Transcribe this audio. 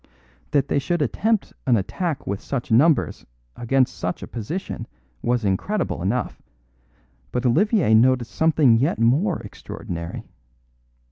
"That they should attempt an attack with such numbers against such a position was incredible enough; but Olivier noticed something yet more extraordinary.